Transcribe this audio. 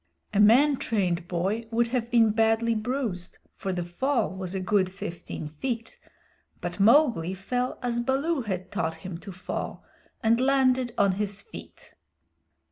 A man trained boy would have been badly bruised, for the fall was a good fifteen feet, but Mowgli fell as Baloo had taught him to fall, and landed on his feet.